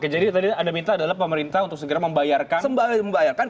jadi yang kita minta adalah pemerintah untuk segera membayarkan